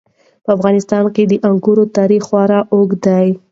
په افغانستان کې د انګورو تاریخ خورا اوږد دی.